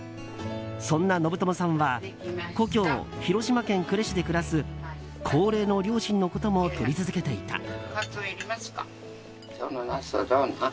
そんな信友さんは故郷・広島県呉市で暮らす高齢の両親のことも撮り続けていた。